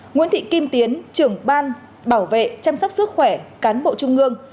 nguyễn thị kim tiến trưởng ban bảo vệ chăm sóc sức khỏe cán bộ trung ương